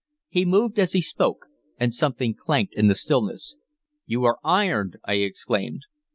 He moved as he spoke, and something clanked in the stillness. "You are ironed!" I exclaimed.